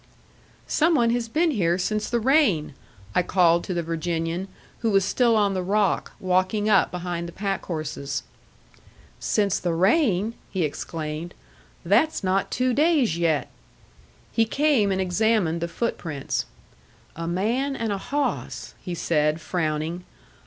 "Some one has been here since the rain," I called to the Virginian, who was still on the rock, walking up behind the packhorses. "Since the rain!" he exclaimed. "That's not two days yet." He came and examined the footprints. "A man and a hawss," he said, frowning.